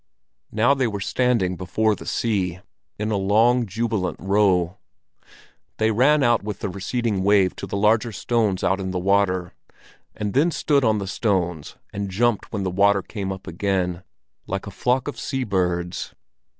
Now they were standing "before the sea" —in a long, jubilant row. They ran out with the receding wave to the larger stones out in the water, and then stood on the stones and jumped when the water came up again, like a flock of sea birds.